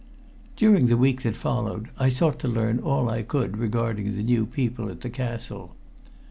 During the week that followed I sought to learn all I could regarding the new people at the castle.